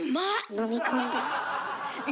飲み込んだ。